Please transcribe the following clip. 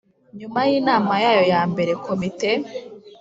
Nyuma y inama yayo ya mbere komite